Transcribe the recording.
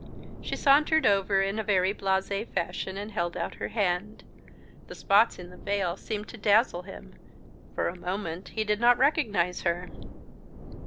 She sauntered over in a very blasé fashion and held out her hand. The spots in the veil seemed to dazzle him; for a moment he did not recognize her.